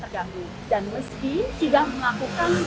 serta penanganan medis yang tidak kurang